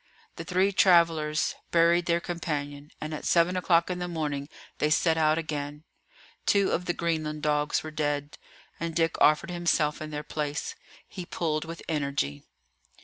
The three travellers buried their companion, and at seven o'clock in the morning they set out again. Two of the Greenland dogs were dead, and Dick offered himself in their place. He pulled with energy.